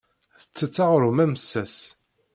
Tettett aɣrum amessas.